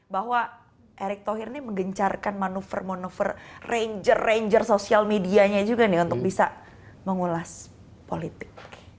bahwa erick thohir ini menggencarkan manuver manuver ranger ranger sosial medianya juga nih untuk bisa mengulas politik